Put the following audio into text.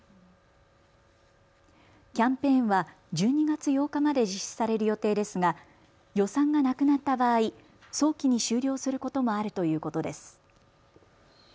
キャンペーンは１２月８日まで実施される予定ですが予算がなくなった場合、早期に終了することもあるということです。